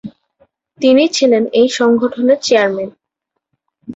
তিনি ছিলেন এই সংগঠনের চেয়ারম্যান।